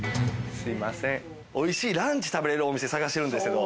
おいしいランチ食べれるお店探してるんです。